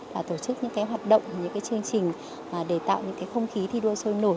và tổ chức những hoạt động những chương trình để tạo những không khí thi đua sôi nổi